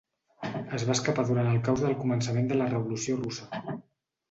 Es va escapar durant el caos del començament de la Revolució russa.